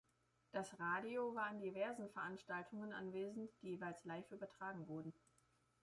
Das Radio war an diversen Veranstaltungen anwesend, die jeweils live übertragen wurden.